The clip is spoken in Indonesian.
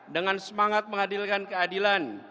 dengan semangat menghadirkan keadilan